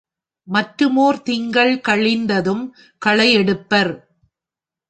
மற்றுமோர் திங்கள் கழிந்ததும் களையெடுப்பர்.